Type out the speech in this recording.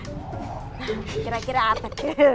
nah kira kira apa